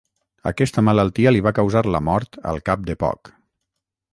Aquesta malaltia li va causar la mort al cap de poc.